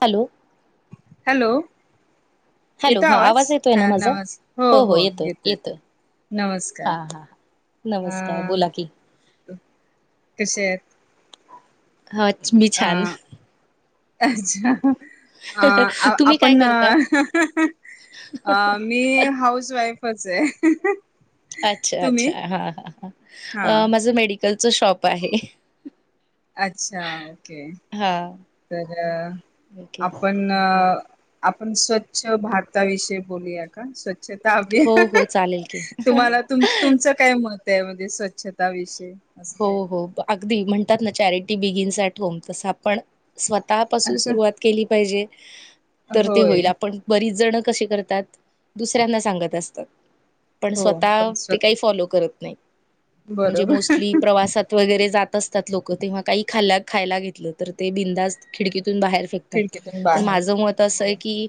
Hello! Hello! Hello येतो हा आवाज? येतोय ना हा माझा नमस हो हो, येतो येतो. नमस्कार! हा हा नमस्कार! बोला कि. कशा येत? हा, मी छान! अच्छा! अ ह तुम्ही काय आपण ह करता ह ह. अ मी हाऊस वाईफच आहे. अच्छा अच्छा! तुम्ही हा हा माझं मेडिकलच शॉप आहे. अच्छा! ओके हा तर ओके आपण आपण स्वच्छ भारता विषयी बोलूया का? स्वच्छ हो स्वच्छताअभियान हो चालेल की तुम्हाला तुमचं काय मत? त्यामध्ये स्वच्छता विषय हो हो, अगदी म्हणतात ना चॅरिटी बिगिनसॅट होम तसं आपण स्वतः पासून सुरुवात केली पाहिजे. तर ते होय होईल, आपण बरीच जण कसे करतात दुसऱ्यांना सांगत असतात. पण हो स्वतः पण ते स्वतः काही फॉलो करत नाही, म्हणजे बरोबर मोस्टली प्रवासात वगैरे जात असतात लोक तेव्हा काही खा- खायला घेतलं तर ते बिंधास्त खिडकी तून बाहेर फेकतात, खिडकीतून पण बाहेर माझ मत असं आहे की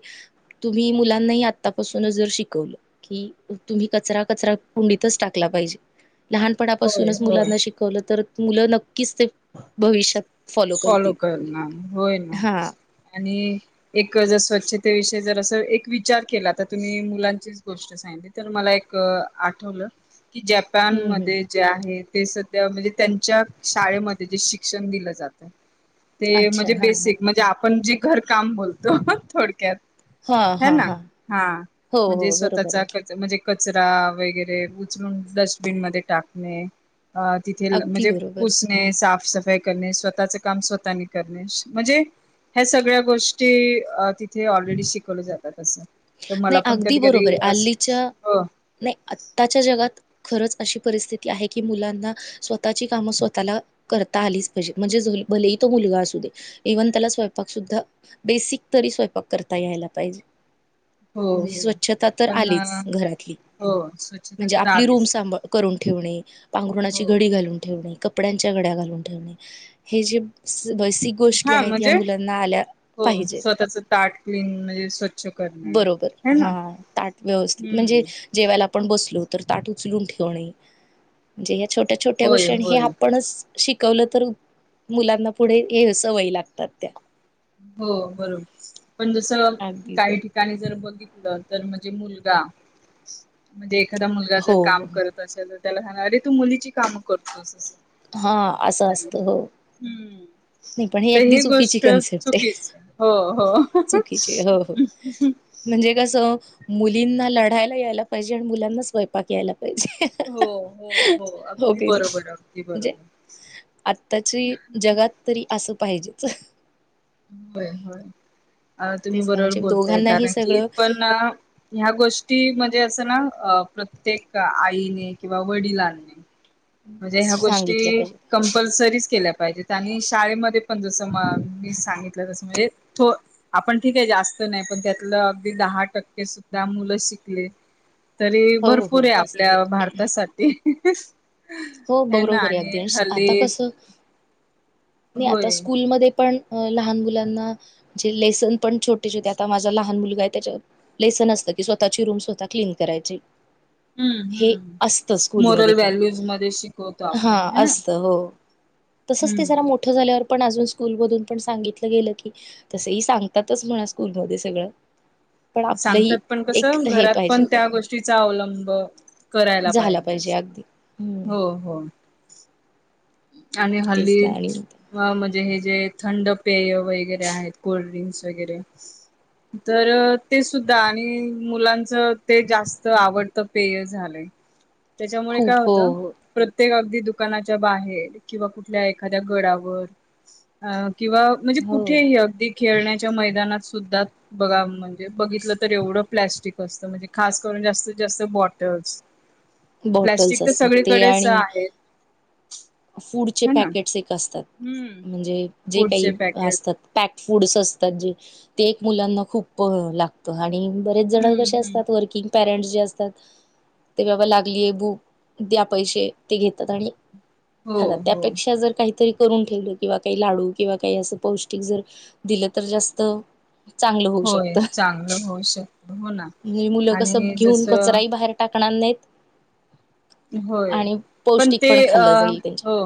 तुम्ही मुलांनाही आतापासूनच जर शिकवलं की तुम्ही, कचरा कचरा कुंडीतच टाका टला पाहिजे. लहानपणा होय पासूनच होय मुलांना शिकवलं तर मुलं नक्कीच ते भविष्यात फॉलो करणार होय ना, हा आणि एक जर स्वच्छ त्या विषयी जर अस एक विचार केला तर तुम्ही मुलांचीच गोष्ट सांगली तर मला एक आठवलं कि जपान हम्म हम्म मध्ये जे आहे ते सध्या म्हणजे त्यांच्या शाळेमध्ये जे शिक ते अच्छा म्हणजे हा बेसीक म्हणजे आपण जे काम बोलतो थोडक्यात हा हा ह हा ना हा हो म्हणजे हो बरोबर आहे स्वतःचा ख की म्हणजे कचरा वगैरे उचलून डस्टबिन मध्ये टाकणे अ तिथे अगदी म्हणजे बरोबर आहे. पुसणे साफसफाई करणे स्वतः स्वतःच काम स्वतः करणे म्हणजे ह्या सगळ्या गोष्टी तिथे ऑलरेडी शिकवल्या जातात असं तर मला नाही पण अगदी कधी कधी बरोबर आहे अस आल्लीच्या हो नाही आताच्या जगात खरंच अशी ि मुलांना स्वतः काम स्वतः कर आलीजे म्हणज व्ह त्याला स्व सु बेसिक तरी स्य करता यायला पाहिजे हो म्हणजे हो स्वच्छता तर पण आलीच घरातली हो स्वच्छता म्हणजे तर आपली रूम आलीच स करून ठेवणे पांघरुणाची हो घडी घालून ठेवणे कपड्यांच्या घड्या घालून ठेवणे हे जे वैसिक गोष्टी हा आहेत या म्हणजे मुलांना आल्या हो पाहिजेत स्वतःच ताट क्लीन म्हणजे स्वच्छ करणे बरोबर है हा ना ताट व्यवस्थित म्हणजे हम्म जेवायला आपण बसलो तर ताट उचलून ठेवणे म्हणजे या छोट्या छोट्या होय गोष्टी हे होय आपणच शिकवलं तर मुलांना पुढे हे अस वय लागतात त्या हो बरोबर पण जस अगदी तर. काही ठिकाणी जर बघितलं तर म्हणजे मुलगा म्हणजे एखादा मुलगा जर हो हो काम करत असेल त्यालाांग अरे तू मुलीची कामं करतोस हा असं त्यामुळे असतं हो हम्म नाही पण ही तर अगदी ह चुकीची गोष्ट कन्सेप्ट चकी आहे हो हो चुकीची हो हो म्हणजे मुलींना लढायला यायला पाहिजे आणि मुलांना स्वयंपाक यायला पाहिजे. हो हो हो अगदी की नाही बरोबर अगदी म्हणजे बरोबर आत्ताची जगात तरी असं पाहिजेच होय होय अ तुम्ही तेच ना बरोबर म्हणजे बोलताय दोघांनाही कारण की सगळं पण ह्या गोष्टी म्हणजे अस ना प्रत्येक आईने किंवा वडिलांनी म्हणजे ह्या गोष्टी सांगितलं पाहिजे. कंपल्सरी केल्या पाहिजेत आणि शाळेमध्ये पण जसं म मी ण आप त पण त्या द टके शिकले तरी हो हो भरपूर आहे तेच आपल्या ना. भारतासाठी हो हे ना बरोबर आहे आणि अगदी हल्ली आता कसं आता होय स्कूलमध्ये पण अ लहान मुलांना म्हणजे लेसन पण छोटे छोटे आता माझा लहान मुलगा आहे त्याच्या लेसन अस की स्वतःची रूम स्वतः क्लीन करायचे हम्म हे हम्म असत स्कूलमध्ये मोरल पण व्हॅल्यूज मध्ये शिकवतो हा आपण हे ना असत हो तसच ते जरा हम्म मोठ झाल्यावर पण अजून स्कूल मधून पण सांगितलं गेलं की तसही सांगतातच म्हणा स्कूल म सगळं पण आपलंही सांगतात पण कस एक हे घरात पाहिजे पण त्या गोष्टीचा अवलंब करायला झाला पाहिजे अगदी हम्म असं हो हो आणि तेच हल्ली ना आणि म्हणजे हे जे थंड पेय वगैरे आहेत कोल्डड्रिंक्स वगैरे तर ते सुद्धा आणि मुलांच ते जास्त आवडतं पेय झालंय त्याच्यामुळे काय खूप हो होत प्रत्येक अगदी दुकानाच्या बाहेर किंवा कुठल्या एखाद्या गडावर किंवा म्हणजे हो कुठेही हो, अगदी खेळण्याच्या मैदानात सुद्धा बघा म्हणजे बघितलं तर एवढं प्लॅस्टिक असतं म्हणजे खास करून जास्तीत जास्त बॉटल बॉटल्स प्लास्टिक तर असतात ते सगळीकडेच आणि आहे फूडचे पॅकेट्स एक असतात म्हणजे जे फूडचे काही पॅकेट असतात फुडस असतात जे ते एक मुलांना खूप लागत आणि बरेच जण हम्म कशे हम्म असतात वर्किंग पेरेट्स जे असतात इथे बाबा लागलीय भुक द्या पैसे ते घेतात आणि - हो खरं हो त्यापेक्षा जर काहीतरी - करून ठेवलं किंवा काही लाडू किंवा काही असं पौष्टिक जर दिलं तर जास्त चांगलं होऊ होय शकत चांगलं होऊ शकत हो ना म्हणजे मुलं कस आणि घेऊन जसं कचराही बाहेर टाक [unintelligible] होय पण ते अ खाल्लं जाईल हो त्यांच्या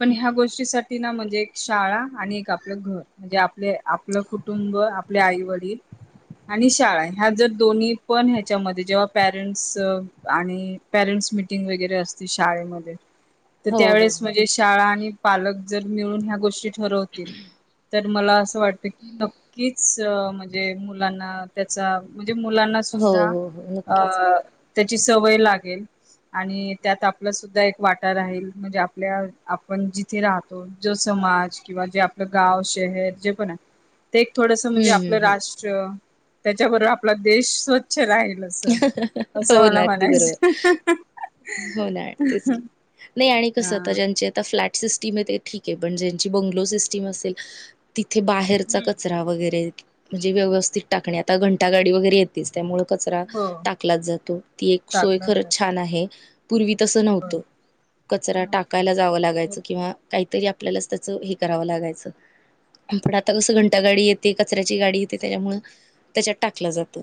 पण ह्या गोष्टीसाठी ना म्हणजे एक शाळा आणि एक आपलं घर म्हणजे आपले आपलं कुटुंब आपले आई वडील आणि शाळा ह्या जर दोन्ही पण ह्याच्यामध्ये जेव्हा पॅरेंट्स आणि पॅरेंट्स मिटिं - -टिंग वगैरे असते शाळेमध्ये तर हो हो त्यावेळेस हो म्हणजे शाळा आणि पालक जर मिळून ह्या गोष्टी ठरवतील तर मला असं वाटत की नक्कीच म्हणजे मुलाना त्याचा म्हंजे मुलांना हो सुद्धा हो हो अ नक्कीच त्याची सवय लागेल आणि त्यात आपला सुद्धा एक वाटा राहील म्हणजे आपल्या आपण जिथे राहतो जो समाज समाज किंवा जे आपलं गाव शहर जे पण आहे ते एक थोडस म्हणजे हम्म, आपलं हम्म, राष्ट्र त्याच्याबरोबर आपला देश स्वच्छ राहील हम्म. असं अस मला म्हणायचं [unintelligible] होना तेच की कस आ हा. ज्यांचे आता फ्लॅट सिस्टीम आहे ते ठीक आहे पण ज्यांची बंगलो सिस्टीम असेल ती थे बाहेरचा हम्म. कचरा वगैरे म्हणजे व्यवस्थित टाकणे आता घंटागाडी वगैरे येतेच त्यामुळे कचरा हो टाकलाच जातो ती एक सोय टाकलं जात खरंच छान आहे पूर्वी तस हो नव्हत कचरा नव्हतं टाकायला जावं हो. लागायच किंवा काहीतरी आपल्यालाच त्याचं हे करावं लागायचं पण आता कसं घंटागाडी येते कचऱ्याची गाडी येते त्याच्यामुळ त्याच्यात टाकलं जातं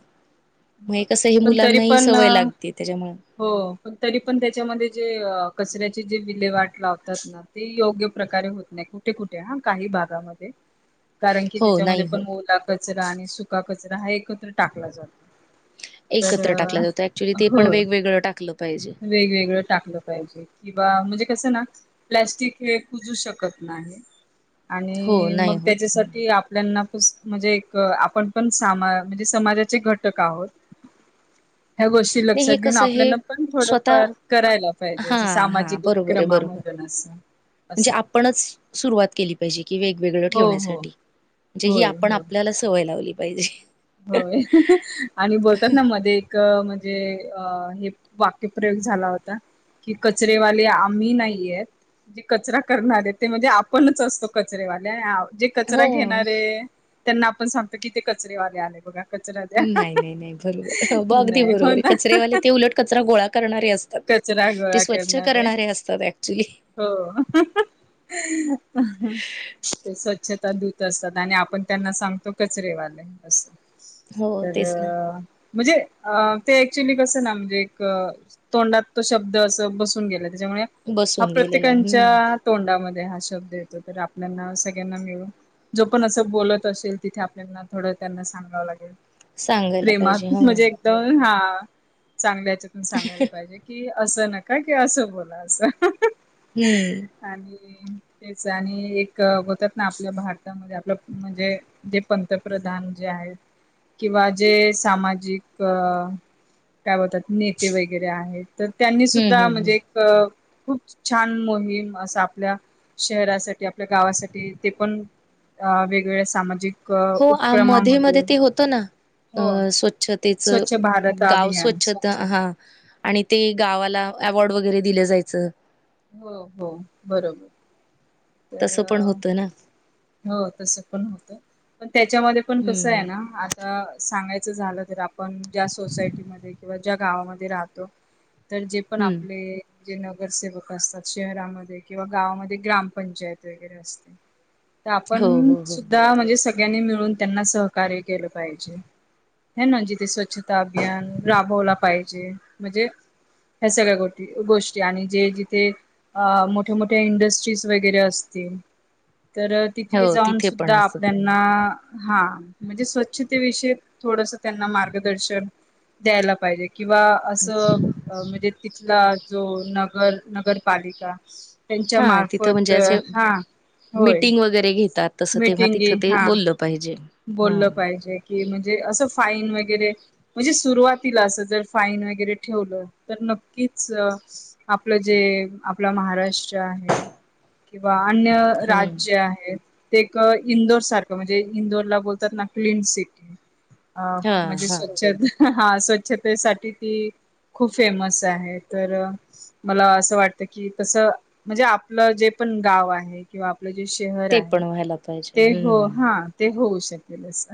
हे मग हो कसही पण तरी मुलांना ही पण सवय लागते त्याच्यामुळ हो पण तरी पण त्याच्यामध्ये जे कचऱ्याची जे विलेवाट लावतात ना ते योग्य प्रकारे होत नाही कुठे कुठे कुठे कुठे हा काही भागामध्ये कारण की हो नाही त्याच्यामध्ये होत. पण ओला कचरा आणि सुका कचरा हा एकत्र टाकला जातो तर एकत्र टाकलं जातं ऍक्च्युली ते हो पण वेगवेगळं टाकलं पाहिजे. वेगवेगळं टाकलं पाहिजे किंवा म्हणजे कस ना प्लॅस्टिक हे कुजू शकत नाही हो आणि नाही मग होत. त्याच्यासाठी आपल्याना म्हणजे एक आपण पण सामा म्हणजे समाजाचे घटक आहोत ह्या गोष्टी नाही लक्षात हे घेऊन कसं हे आपल्याना पण स्वतः थोडंफार करायला पाहिजे हा असं हा सामाजिक बरोबर आहे बरोबर उपक्रमामधून असं म्हणजे असं आपणच सुरुवात केली पाहिजे की वेगवेगळ हो हो ठेवण्यासाठी म्हणजे ही होय आपण होय आपल्याला सवय लावली पाहिजे होय आणि बोलतात ना मध्ये एक म्हणज - जे अ हे वाक्य प्रयोग झाला होता कि कचरेवाले आम्ही नाहीयेत जे कचरा करणारे ते म्हणजे आपणच असतो कचरेवाले जे कचरा हो घेणारे त्यांना आपण सांगतो की ते कचरेवालेे आले बघा कचरा द्या नाही नाही नाही बरोबर ब अगदी नाही हो बरोबर ना कचरेवाले ते उलट कचरा गोळा करणारे असतात कचरा ते गोळा स्वच्छ करणारे असतात ऍक्च्युली हो [unintelligible] ते स्वच्छ तादूत असतात आणि आपण त्यांना सांगतो कचरेवाले असं हो तर तेच ना म्हणजे ते ऍक्च्युली कसं ना म्हणजे एक तोंडात तो शब्द असं बसून गेला त्यामुळे हा बसून गेलेलं आहे हम्म प्रत्येकच्या तोंडामध्ये हा शब्द येतो तर आपल्याना सगळ्यांना मिळून जो पण असं बोलत असेल तिथे आपल्याना थोडं त्यांना सांगावं लागेल सांगायला पाहिजे प्रेमात हो म्हणजे एकदम हा. चांगल्या हच्यातून सांगायला पाहिजे, कि असं नका कि असं बोला असं. हम्म. हम् [unintelligible] तेच आणि एक होतात ना, आपल्या भारतामध्ये आपलं म्हणजे, जे पंतप्रधान. किंवा जे सामाजिक. काय बतात नेते वगैरे आहेत, तर त्यांनी हम्म हम्म सुद्धा हम्म म्हणजे एक. खूप छान मोहीम असा आपल्या शहरासाठी, आपल्या गावासाठी ते पण अ वेगवेगळ्या सामाजिक हो उप आ मध्ये मध्ये ते होत ना. अ स्वच्छतेच स्वच्छ भारत गाव अभियान स्वच्छता स्वच्छ हा. आणि ते गावाला अवॉर्ड वगैरे दिलं जायचं. हो हो बरोबर. तर तसं पण होतं ना हो तस पण होतं. पण त्याच्यामध्ये पण हम्म कसं आहे, हम्म ना आता सांगायचं झालं, तर आपण ज्या सोसायटीमध्ये किंवा ्या गावामध्ये राहतो, तर जे पण हम्म आपले जे नगरसेवक. असतात शहरामध्ये किंवा गावामध्ये ग्रामपंचायत वगैरे असते. तर हो आपण हो हो सुद्धा म्हणजे स मिळून त्यांना सहकार्य के पाहिजे, ना जिथे स्व अभियान राबवला पाहिजे. म्हणजे ह्या सगळ्या गो गोष्टी आणि जे ज ते अ मोठ्या मोठ्या इंडस्ट्रीज वगैरे असतील. तर तिथे हो जाऊन पण सुद्धा असं आपल्याना. हा म्हणजे स्वच्छतेविषयी थोडस, त्यांना मार्गदर्शन द्यायला पाहिजे. किंवा असं म्हणजे, तिथला जो नगर नगरपालिका. त्यांच्या हा तिथं मार्फत म्हणजे असे हा होय. मीटिंग वगैरे घेतात तसं तेव्हा तिथं मिीटिंग ते हा बोललं पाहिजे बोललं हम्म पाहिजे कि म्हणजे. ा वर म्हणजे सुरवात फान वर ठेव [unintelligible] ज आपल जे आप महाराष्ट्र आहे किंवा. अन्य हम्म राज्य आहेत, ते इंदोर सारखं म्हणजे. इंदोरला बोलतात, ना क्लीन सिटी अ हा खूप म्हणजे हा स्वच्छ हा स्वच्छतेसाठी ती खूप फेमस आहे, तर मला असं वाटत, की कस म्हणजे आपलं जे. आपण गाव आहे, किंवा आपलं जे शहर ते आहे, पण व्हायला पाहिजे ते हो हम्म हा. ते होऊ शकेल अस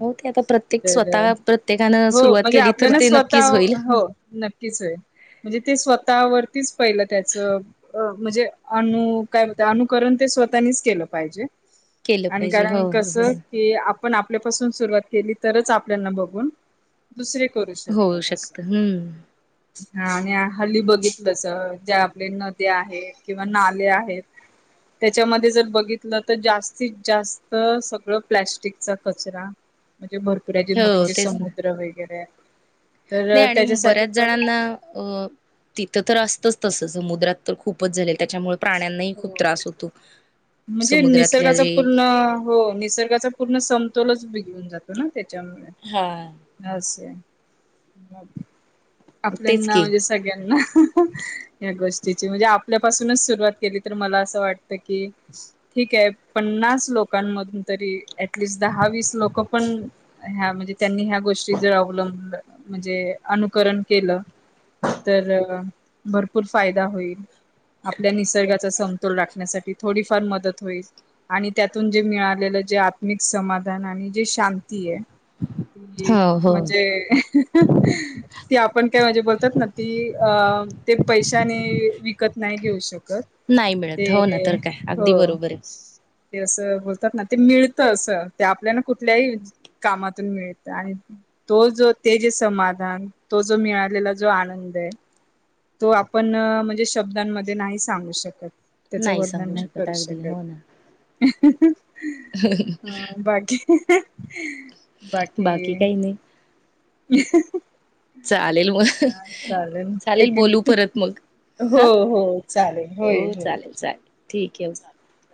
हो ते आता प्रत्येक तर. स्वतः प्रत्येकानं हो सुरुवात म्हणजे केली तर आपल्याला ते स्वतः नक्कीच होईल हो नक्कीच होल म्हणजे ते स्वतःवररतीच पहिलं त्याचं, म्हणजे अनु काय अनुकरण ते स्वतःनीच केलं पाहिजे, केलं आणि पाहिजे हो कारण हो कस हो की आप आपण आपल्यापासून सुरवात केली, तरच आपल्याना बघून दुसरे करू होऊ शकत तसं. शकतं हम्म हा आणि हल्ली बघितलंस ज्या आपले, नद्या आहेत किंवा नाले आहेत. त्याच्यामध्ये जर बघितलं. तर जास्तीत जास्त सगळं प्लॅस्टिकचा कचरा. म्हे भरपुऱराचे मोठे हो मोठे तेच ना समुद्र वगैरे तर नाही आणि त्याच्यासाठी बऱ्याच पण जणांना अ तिथं तर असतच. तस समुद्रात तर खूपच झालेल, त्याच्यामुळे प्राण्यांनाही खूप हो त्रास होतो. म्हणजे समुद्रातल्या निसर्गाचा जे पूर्ण हो निसर्गाचा पूर्ण समतोलच बिघडून जातो ना, हा त्याच्यामुळे असं आहे. तेच आपल्यांना की म्हणजे, सगळ्यांना या गोष्टी तेची म्हणजे आपल्या पासूनचं सुरू वात केली तर, मला असं वाटतं की ठीक आहे पन्नास लोकांमधून तरी अँटलीस वीस धा वीस लोक पण, ह्या म्हंजे त्यांनी ह्या गोष्टी जर, अवलंबल म्हंजे आन अनुकरण केल तर, भरपूर फायदा होईल. आ पल्या निसर्गाचा समतोल राखण्यासाठी थोडीफार मदत होईल आणि त्यातून जे मिळालेलं जे आ त्मिक समाधान आणि जे शांती ए ती हो हो म्हणजे [inaudible] ती आपण काय म्हणजे बोलतात ना ती अ ते पैशाने विकत नाही घेऊ शक त. नाही ते मिळत हो ना तर काय हो. अगदी बरोबर आहे ते असं बोलतात ना, ते मिळत असं. ते आपल्याला कुठल्याही कामातून मिळत आणि तो जो ते जे समाधान, तो जो मिळालेला जो आनंद हाय तो आपण म्हणजे शब्दांमध्ये नाही सांगू शकत. त्याच वर्णन सांगू नाही शकत करू अगदी हो ना शकत. [inaudible] हा बाकी बाकी काही नाही अ [inaudible] चालेल मग, चालेल एक बोलू मिनिट परत मग हो हा. चालेल हो होय होय. चालेल चालेल ठीक ये. चालेल.